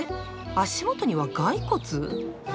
足元には骸骨？